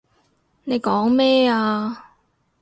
你講咩啊？